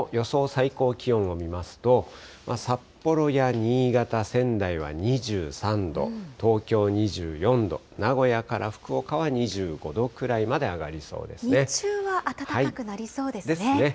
最高気温を見ますと、札幌や新潟、仙台は２３度、東京２４度、名古屋から福岡は２５度くらいまで上がりそうですね。ですね。